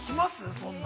そんなの。